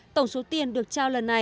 tổng số tiền được trao lần này